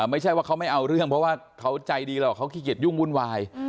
ไม่ใช่ว่าเขาไม่เอาเรื่องเพราะว่าเขาใจดีหรอกเขาขี้เกียจยุ่งวุ่นวาย